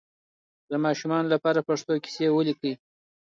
د ماشومانو لپاره پښتو کیسې ولیکئ.